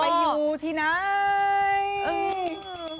อยู่ที่ไหน